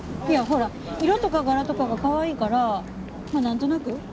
いやほら色とか柄とかがかわいいからまあなんとなく。